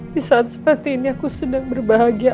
di saat seperti ini aku sedang berbahagia